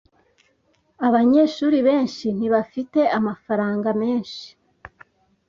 Abanyeshuri benshi ntibafite amafaranga menshi.